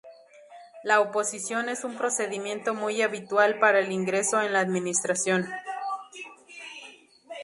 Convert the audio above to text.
La oposición es un procedimiento muy habitual para el ingreso en la Administración.